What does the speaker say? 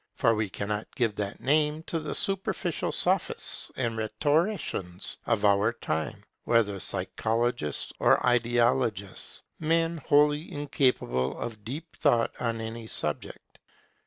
For we cannot give that name to the superficial sophists and rhetoricians of our time, whether psychologists or ideologists, men wholly incapable of deep thought on any subject.